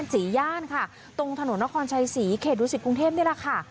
สี่ย่านค่ะตรงถนนนครชัยศรีเขตดูสิตกรุงเทพนี่แหละค่ะ